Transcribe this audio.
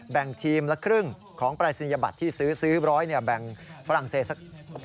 แบ่งทีมละครึ่งของปรายศนียบัตรที่ซื้อซื้อ๑๐๐แบ่งฝรั่งเศสสัก